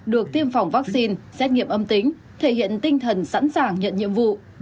được tiêm phòng vaccine xét nghiệm âm tính thể hiện tinh thần sẵn sàng nhận nhiệm vụ